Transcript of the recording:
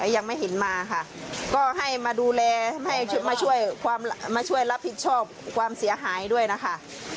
ยังไม่เห็นมาค่ะก็ให้มาดูแลให้มาช่วยมาช่วยรับผิดชอบความเสียหายด้วยนะคะ